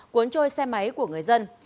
cuốn trôi xe máy của người dân